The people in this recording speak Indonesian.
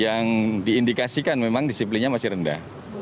yang diindikasi kan memang disiplinnya masih rendah